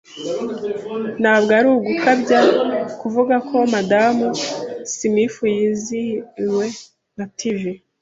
Ntabwo ari ugukabya kuvuga ko Madamu Smith yiziziwe na TV.